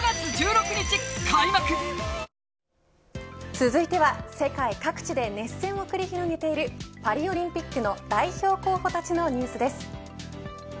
続いては、世界各地で熱戦を繰り広げているパリオリンピックの代表候補たちのニュースです。